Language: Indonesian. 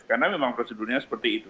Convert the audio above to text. karena memang prosedurnya seperti itu